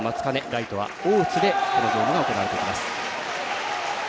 ライトは、おおつでこのゲームが行われていきます。